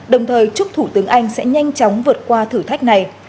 đồng thời chúc thủ tướng anh sẽ nhanh chóng vượt qua thử thách này